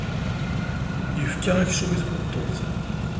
Yefka aksum i tmeṭṭut.